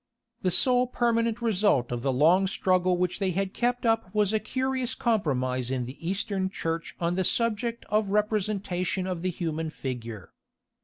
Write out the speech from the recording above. The sole permanent result of the long struggle which they had kept up was a curious compromise in the Eastern Church on the subject of representation of the human figure.